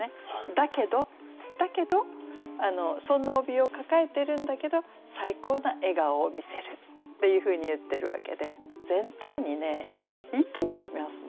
だけどだけどそんなおびえを抱えてるんだけど「最高な笑顔を見せる」っていうふうに言ってるわけで全体にねいいと思いますね。